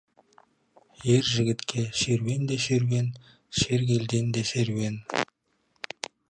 Ер жігітке серуен де — серуен, сергелдең де — серуен.